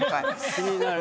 気になる。